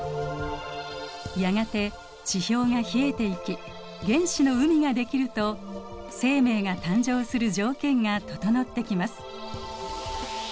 やがて地表が冷えていき原始の海ができると生命が誕生する条件が整ってきます。